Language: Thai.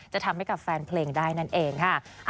จะทำให้กับแฟนเพลงได้นั่นเองค่ะ